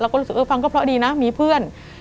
ก็รู้สึกเออฟังก็เพราะดีนะมีเพื่อน